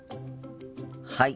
はい。